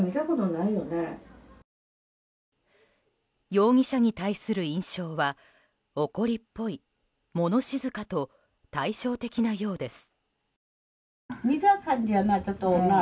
容疑者に対する印象は怒りっぽい物静かと対照的なようです。